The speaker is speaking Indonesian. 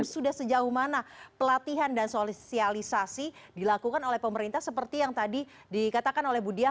sudah sejauh mana pelatihan dan sosialisasi dilakukan oleh pemerintah seperti yang tadi dikatakan oleh bu diah